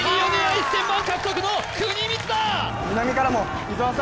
１０００万獲得の國光だ！